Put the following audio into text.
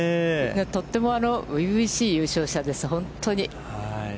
とても初々しい優勝者です、本当に。